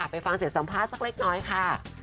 ไปฟังเสียงสัมภาษณ์สักเล็กน้อยค่ะ